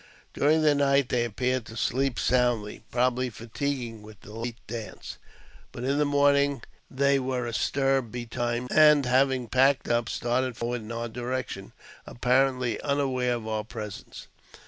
During the night they appeared to sleep soundly, probably fatigued with a late dance. But in the morning they were astir betimes, and having packed up, started forward in our direction, apparently unaware of our presence.